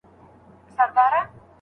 زړه لکه مات لاس د کلو راهيسې غاړه کې وړم